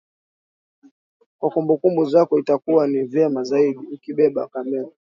Kwa kumbukumbu zako itakuwa ni vema zaidi ukibeba kamera